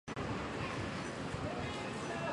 长穗虫实是苋科虫实属的植物。